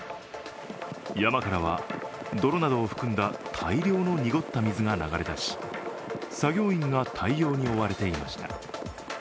山からは、泥などを含んだ大量の濁った水が流れ出し、作業員が対応に追われていました。